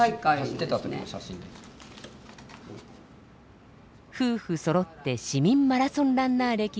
夫婦そろって市民マラソンランナー歴は１５年以上。